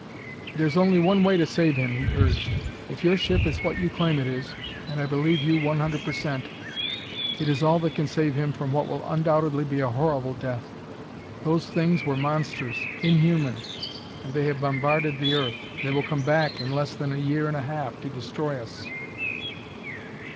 "There's only one way to save him," he urged. "If your ship is what you claim it is and I believe you one hundred per cent it is all that can save him from what will undoubtedly be a horrible death. Those things were monsters inhuman! and they have bombarded the earth. They will come back in less than a year and a half to destroy us."